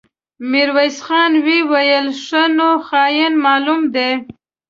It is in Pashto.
ميرويس خان وويل: ښه نو، خاين معلوم دی.